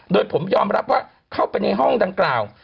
โดยผมยอมรับว่าเข้าไปในห้องดังกล่าว